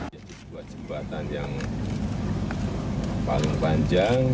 ini adalah jembatan yang paling panjang